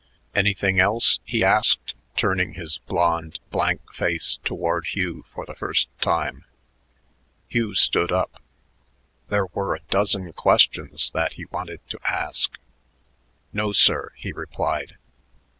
"Anything else?" he asked, turning his blond, blank face toward Hugh for the first time. Hugh stood up. There were a dozen questions that he wanted to ask. "No, sir," he replied.